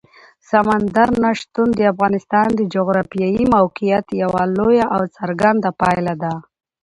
سمندر نه شتون د افغانستان د جغرافیایي موقیعت یوه لویه او څرګنده پایله ده.